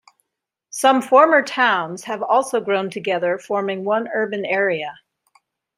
Some former towns have also grown together, forming one urban area.